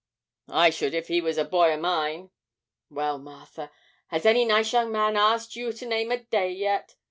I should if he was a boy o' mine. Well, Martha, has any nice young man asked you to name a day yet?